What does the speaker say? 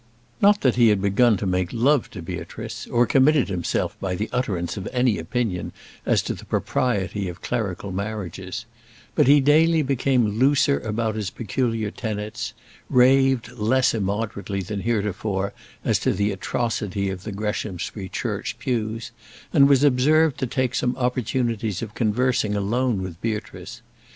Not that he had begun to make love to Beatrice, or committed himself by the utterance of any opinion as to the propriety of clerical marriages; but he daily became looser about his peculiar tenets, raved less immoderately than heretofore as to the atrocity of the Greshamsbury church pews, and was observed to take some opportunities of conversing alone with Beatrice.